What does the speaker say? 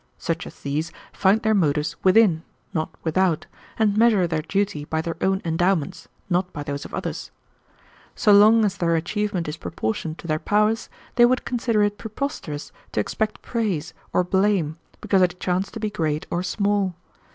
Such as these find their motives within, not without, and measure their duty by their own endowments, not by those of others. So long as their achievement is proportioned to their powers, they would consider it preposterous to expect praise or blame because it chanced to be great or small.